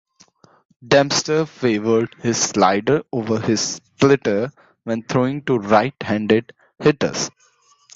Dempster favored his slider over his splitter when throwing to right-handed hitters.